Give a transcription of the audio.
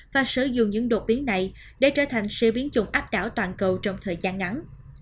và sử dụng những đột biến này để trở thành xe biến chủng áp đảo toàn cầu trong thời gian ngắn